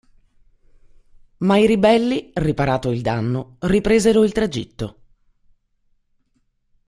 Ma i ribelli, riparato il danno, ripresero il tragitto.